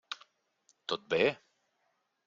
Tot bé?